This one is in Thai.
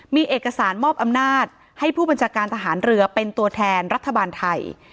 มีเอกสารมอบอำนาจให้ผู้บัญชาการทหารเรือเป็นตัวแทนรัฐบาลไทย